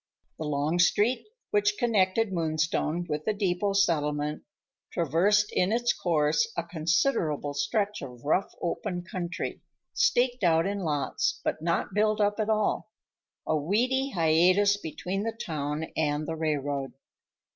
The long street which connected Moonstone with the depot settlement traversed in its course a considerable stretch of rough open country, staked out in lots but not built up at all, a weedy hiatus between the town and the railroad.